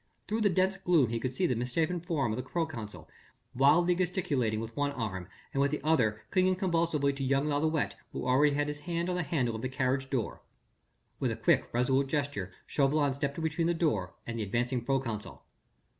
Through the dense gloom he could see the misshapen form of the proconsul, wildly gesticulating with one arm and with the other clinging convulsively to young Lalouët who already had his hand on the handle of the carriage door. With a quick, resolute gesture Chauvelin stepped between the door and the advancing proconsul.